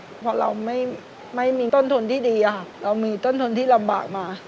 เพราะเราไม่มีต้นทุนที่ดีเรามีต้นทุนที่ลำบากมา